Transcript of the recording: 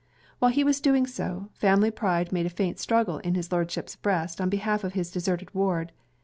While he was doing so, family pride made a faint struggle in his Lordship's breast on behalf of his deserted ward.